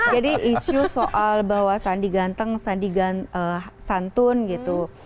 jadi isu soal bahwa sandi ganteng sandi santun gitu